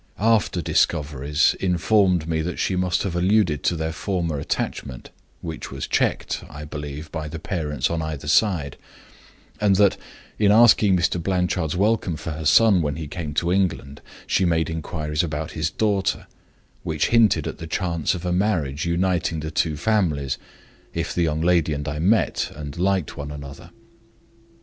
After discoveries informed me that she must have alluded to their former attachment (which was checked, I believe, by the parents on either side); and that, in asking Mr. Blanchard's welcome for her son when he came to England, she made inquiries about his daughter, which hinted at the chance of a marriage uniting the two families, if the young lady and I met and liked one another.